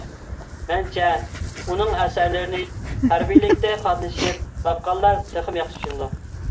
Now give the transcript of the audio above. مەنچە ئۇنىڭ ئەسەرلىرىنى ھەربىيلىككە قاتنىشىپ باققانلار تېخىمۇ ياخشى چۈشىنىدۇ.